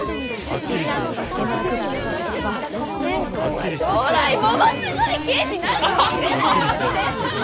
小さい頃から現場の空気を吸わせとけば蓮くんは将来ものすごい刑事になるかもしれないし！でしょ？